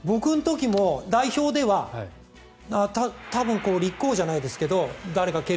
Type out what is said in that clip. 僕の時も代表では多分、立候補じゃないですけど誰が蹴る？